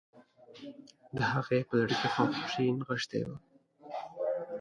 د هغې په زړه کې خواخوږي نغښتي وه